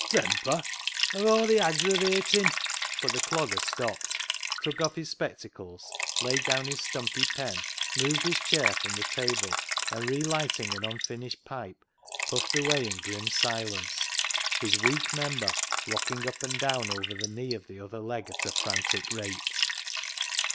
Temper ? Of aw th' aggravatin' "— But the Clogger stopped, took off his spec tacles, laid down his stumpy pen, moved his chair from the table, and relighting an un finished pipe, puffed away in grim silence, his weak member rocking up and down over the knee of the other leg at a frantic rate.